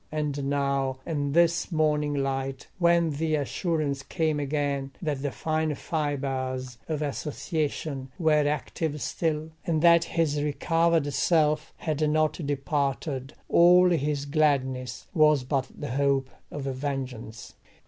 And now in this morning light, when the assurance came again that the fine fibres of association were active still, and that his recovered self had not departed, all his gladness was but the hope of vengeance.